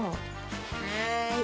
はい。